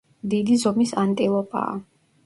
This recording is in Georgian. დიდი ზომის ანტილოპაა.